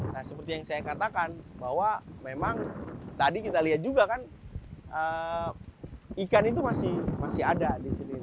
nah seperti yang saya katakan bahwa memang tadi kita lihat juga kan ikan itu masih ada di sini